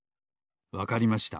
わかりました。